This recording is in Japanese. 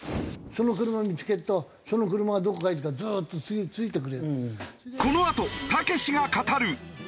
その車見付けるとその車がどこ行くかずっとついてくる。